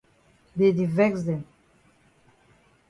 Dey di vex dem.